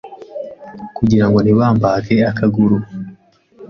kugirango ntibambage akaguru?